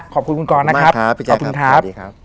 ขอบคุณคุณกรนะครับ